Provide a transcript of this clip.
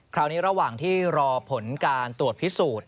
ระหว่างที่รอผลการตรวจพิสูจน์